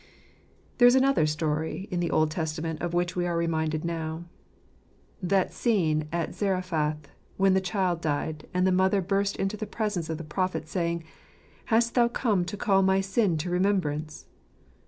There is another story in the Old Testament of which we are reviindcd now — that scene at Zarephath when the child died, and the mother burst into the presence of the prophet saying, c ' Hast thou come to call my sin to remembrance